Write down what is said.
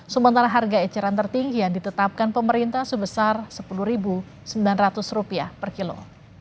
sementara harga eceran tertinggi yang ditetapkan pemerintah sebesar rp sepuluh sembilan ratus per kilo